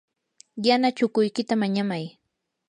yana chukuykita mañamay.